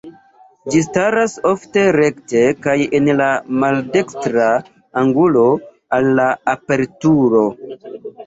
Ĝi staras ofte rekte kaj en la maldekstra angulo al la aperturo.